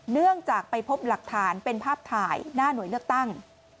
เนื่องจากไปพบหลักฐานเป็นภาพถ่ายหน้าหน่วยเลือกตั้ง